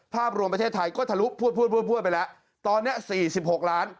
ภาพรวมประเทศไทยก็ทะลุพวดไปแล้ว